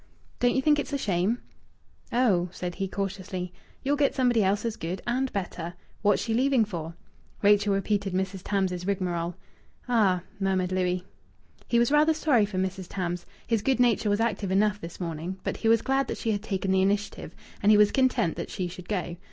"Don't you think it's a shame?" "Oh," said he cautiously, "you'll get somebody else as good, and better. What's she leaving for?" Rachel repeated Mrs. Tams's rigmarole. "Ah!" murmured Louis. He was rather sorry for Mrs. Tams. His good nature was active enough this morning. But he was glad that she had taken the initiative. And he was content that she should go.